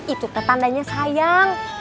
itu kan tandanya sayang